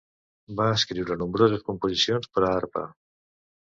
Va escriure nombroses composicions per a arpa.